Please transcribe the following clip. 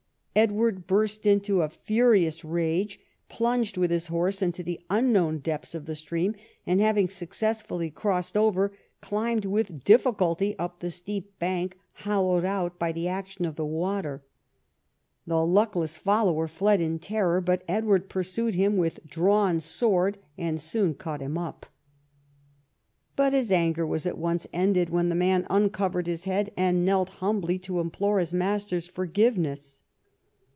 Edward burst into a furious IV THE KING AND HIS WORK 63 rage, plunged with his horse into the unknown depths of the stream, and having successfully crossed over, climbed with difficulty up the steep bank hollowed out by the action of the water. The luckless follower fled in terror, but Edward pursued him with drawn sword, and soon caught him up. But his anger was at once ended when the man uncovered his head and knelt humbly to implore his master's forgiveness.